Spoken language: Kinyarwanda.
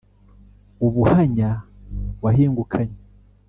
ubuhanya wahingukanye